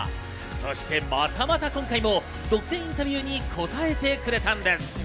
そして、またまた今回も独占インタビューに答えてくれたんです。